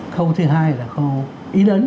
khâu thứ hai là khâu ý đấn